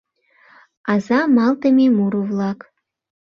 Аза малтыме муро-влак.